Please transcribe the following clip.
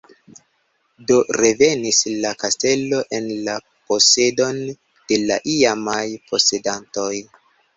Do revenis la kastelo en la posedon de la iamaj posedantoj.